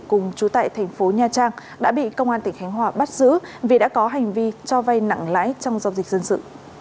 cùng chú tại thành phố nha trang đã bị công an tỉnh khánh hòa bắt giữ vì đã có hành vi cho vay nặng lãi trong giao dịch dân sự